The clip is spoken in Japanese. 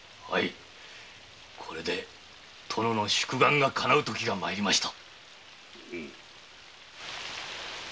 これで殿の宿願が叶うときが参りました。